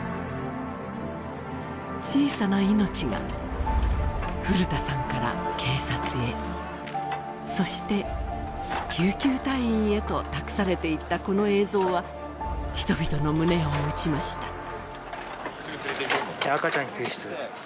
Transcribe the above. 小さな命が古田さんから警察へそして救急隊員へと託されていったこの映像は人々の胸を打ちました